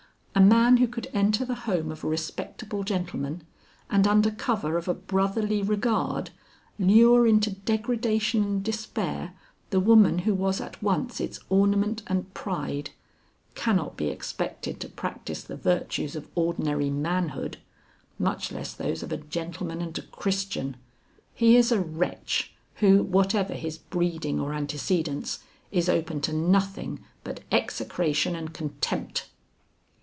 "A man who could enter the home of a respectable gentleman, and under cover of a brotherly regard, lure into degradation and despair, the woman who was at once its ornament and pride, cannot be expected to practice the virtues of ordinary manhood, much less those of a gentleman and a Christian. He is a wretch, who, whatever his breeding or antecedents, is open to nothing but execration and contempt."